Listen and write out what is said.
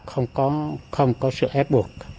không có sự ép buộc